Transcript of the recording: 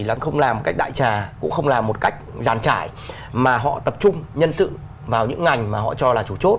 là không làm một cách đại trà cũng không làm một cách giàn trải mà họ tập trung nhân sự vào những ngành mà họ cho là chủ chốt